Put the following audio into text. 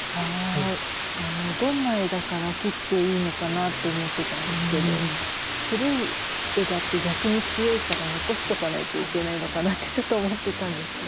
どんな枝から切っていいのかなって思ってたんですけど古い枝って逆に強いから残しとかないといけないのかなってちょっと思ってたんですけど